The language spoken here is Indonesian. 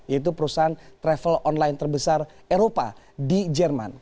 yaitu perusahaan travel online terbesar eropa di jerman